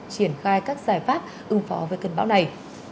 bác ứng phó với cơn bão này